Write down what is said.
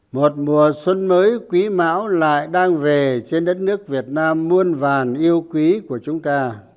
một mùa xuân mới quý mão lại đang về trên đất nước việt nam muôn vàn yêu quý của chúng ta